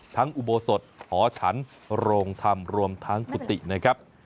ทั้งอุโบสถหอฉันโรงธรรมรวมทางภุตินะครับ